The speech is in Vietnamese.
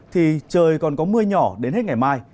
thì trời còn có mưa nhỏ đến hết ngày mai